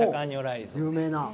有名な。